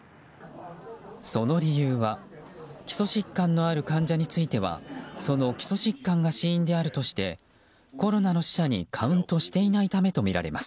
その理由は基礎疾患のある患者についてはその基礎疾患が死因であるとしてコロナの死者にカウントしていないためとみられています。